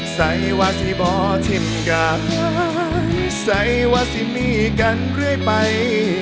ใส่ว่าสิบ่ทิมการใส่ว่าสิมีกันเรื่อยไป